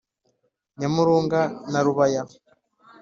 Nyamurunga* na Rubaya*.